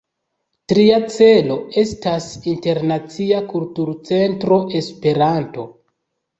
Tria celo estas Internacia Kulturcentro Esperanto.